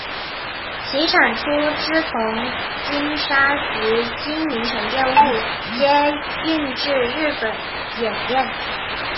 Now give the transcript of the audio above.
其产出之铜精砂及金银沉淀物皆运至日本冶炼。